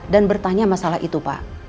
dan bertanya masalah itu pak